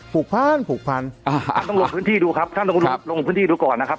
ผูกพันผูกพันต้องลงพื้นที่ดูครับท่านต้องลงพื้นที่ดูก่อนนะครับ